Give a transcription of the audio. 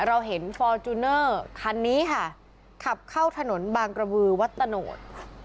เราเห็นฟอร์จูเนอร์คันนี้ค่ะขับเข้าถนนบางกระบือวัดตะโนธ